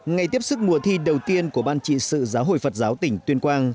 ngày tiếp sức mùa thi đầu tiên của ban trị sự giáo hội phật giáo tỉnh tuyên quang